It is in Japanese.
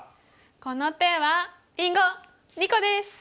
この手はりんご２個です！